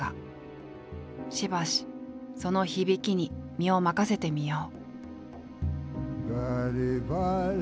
しばしその響きに身を任せてみよう。